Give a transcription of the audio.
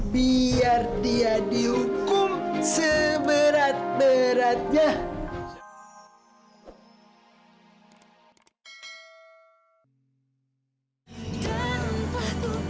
biar dia dihukum seberat beratnya